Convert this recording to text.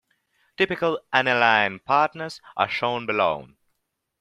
Typical aniline partners are shown below.